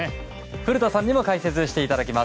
古田さんにも解説していただきます。